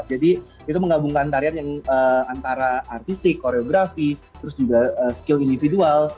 jadi itu menggabungkan tarian yang antara artistik koreografi terus juga skill individual